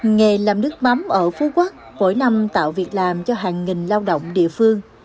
nghề làm nước mắm ở phú quốc mỗi năm tạo việc làm cho hàng nghìn lao động địa phương